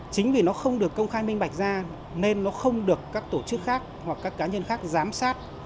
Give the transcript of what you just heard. chính vì nó không được công khai minh bạch ra nên nó không được các tổ chức khác hoặc các cá nhân khác giám sát